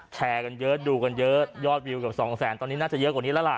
แชร์กันเยอะดูกันเยอะยอดวิวเกือบสองแสนตอนนี้น่าจะเยอะกว่านี้แล้วล่ะ